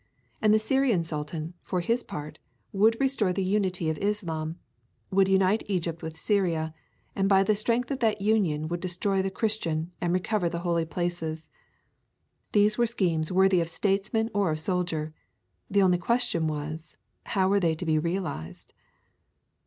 And the Syrian sultan, for his part, would restore the unity of Islam, would unite Egypt with Syria, and by the strength of that union would destroy the Christian and recover the Holy Places. These were schemes worthy of statesman or of soldier. The only question was how were they to be realized?